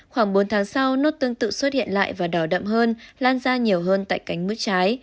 khoảng bốn tháng sau nốt tương tự xuất hiện lại và đỏ đậm hơn lan ra nhiều hơn tại cánh mứt trái